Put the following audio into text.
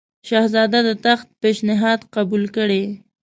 شهزاده د تخت پېشنهاد قبول کړي.